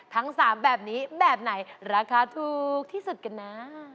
ทั้ง๓แบบนี้แบบไหนราคาถูกที่สุดกันนะ